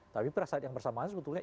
tapi perasaan yang bersamaan sebetulnya